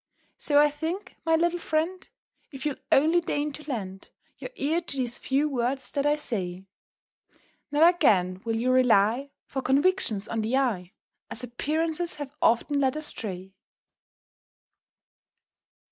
_"] So I think, my little friend, If you'll only deign to lend Your ear to these few words that I say, Ne'er again will you rely For convictions on the eye, As appearances have often led astray.